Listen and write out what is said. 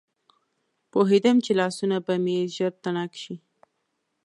پوهېدم چې لاسونه به مې ژر تڼاکي شي.